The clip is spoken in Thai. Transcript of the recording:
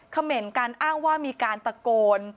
เขม่นการอ้างว่ามีการตะโกน